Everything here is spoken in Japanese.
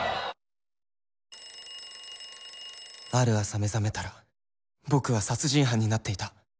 ある朝、目覚めたら僕は殺人犯になっていた。